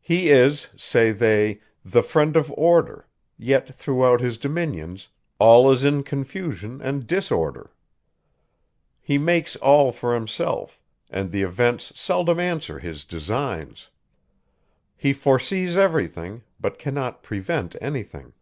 He is, say they, the friend of order; yet throughout his dominions, all is in confusion and disorder. He makes all for himself; and the events seldom answer his designs. He foresees everything; but cannot prevent anything.